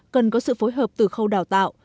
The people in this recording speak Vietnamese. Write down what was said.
cần có sự phối hợp từ khâu đào tạo